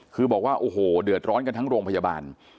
คือบอกว่าโอ้โหเดือดร้อนกันทั้งโรงพยาบาล